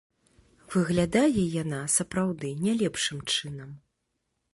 Выглядае яна, сапраўды, не лепшым чынам.